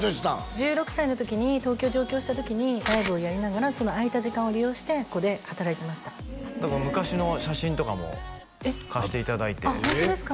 １６歳の時に東京上京した時にライブをやりながらその空いた時間を利用してここで働いてましただから昔の写真とかも貸していただいてホントですか？